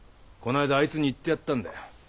この間あいつに言ってやったんだよ。